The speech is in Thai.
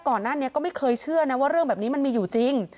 ก่อนหน้านี้ก็ไม่เคยเชื่อนะว่าเรื่องแบบนี้มันมีอยู่จริง